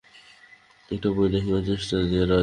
একটা বই রাখিবার ছোট দেরাজ।